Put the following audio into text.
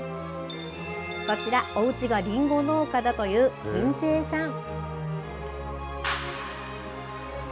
こちら、おうちがりんご農家だという金星さん。